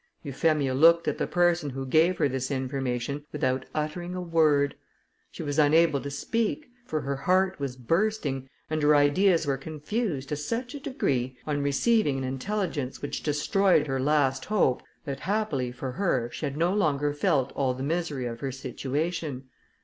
Euphemia looked at the person who gave her this information without uttering a word. She was unable to speak, for her heart was bursting, and her ideas were confused to such a degree, on receiving an intelligence which destroyed her last hope, that, happily for her, she no longer felt all the misery of her situation.